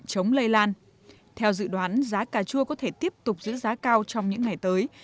chống lây lan theo dự đoán giá cà chua có thể tiếp tục giữ giá cao trong những ngày tới